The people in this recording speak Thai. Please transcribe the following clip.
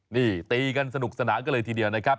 นี่ตีกันสนุกสนานกันเลยทีเดียวนะครับ